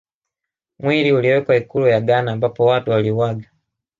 Mwili uliwekwa ikulu ya Ghana ambapo Watu waliuaga